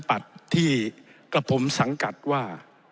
พักประชาธิปัตย์ที่กระผมสังกัดว่า